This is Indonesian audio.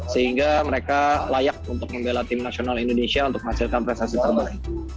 sehingga mereka layak untuk membela tim nasional indonesia untuk menghasilkan prestasi terbaik